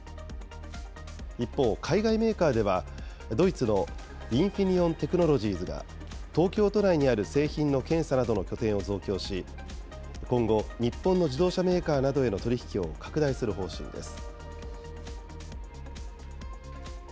一方、海外メーカーでは、ドイツのインフィニオンテクノロジーズが、東京都内にある製品の検査などの拠点を増強し、今後、日本の自動車メーカーなどへの取り引きを拡大する方針です。